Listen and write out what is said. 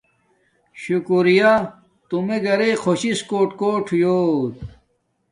شکریہ تو مے گھرݵ خوشی نا کوٹ ہویاݵ